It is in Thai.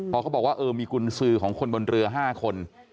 พอเขาบอกว่าเออมีกุญสือของคนบนเรือ๕คน